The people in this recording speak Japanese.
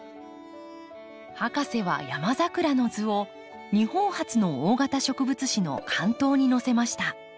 博士はヤマザクラの図を日本初の大型植物誌の巻頭に載せました。